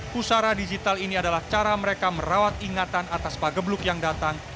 pusara digital ini adalah cara mereka merawat ingatan atas pagebluk yang datang